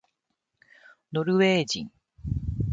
ノルウェー人